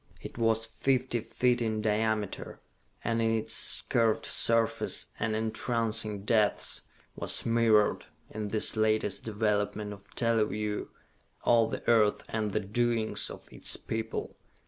It was fifty feet in diameter, and in its curved surface and entrancing depths was mirrored, in this latest development of teleview, all the earth and the doings of its people.